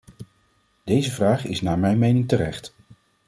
Deze vraag is naar mijn mening terecht.